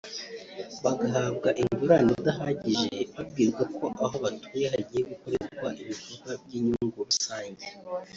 bagahabwa ingurane idahagije babwirwa ko aho batuye hagiye gukorerwa ibikorwa by’inyungu rusange